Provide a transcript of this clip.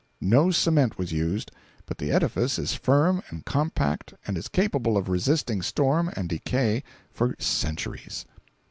No cement was used, but the edifice is firm and compact and is capable of resisting storm and decay for centuries.